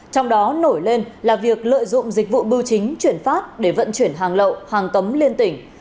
trong đó nổi lên là việc lợi dụng dịch vụ bưu chính chuyển phát để vận chuyển hàng lậu hàng cấm liên tỉnh